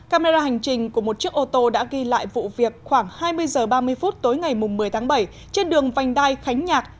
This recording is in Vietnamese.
camera hành trình của một chiếc ô tô đã ghi lại vụ việc khoảng hai mươi h ba mươi phút tối ngày một mươi tháng bảy trên đường vành đai khánh nhạc